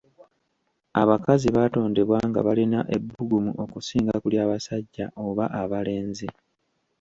Abakazi baatondebwa nga balina ebbugumu okusinga ku ly'abasajja oba abalenzi.